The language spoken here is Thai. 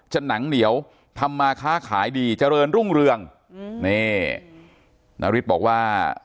หนังเหนียวทำมาค้าขายดีเจริญรุ่งเรืองอืมนี่นาริสบอกว่า